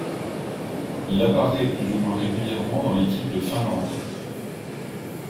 Il apparaît plus ou moins régulièrement dans l'équipe de Finlande.